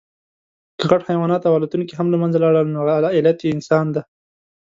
که غټ حیوانات او الوتونکي هم له منځه لاړل، نو علت انسان دی.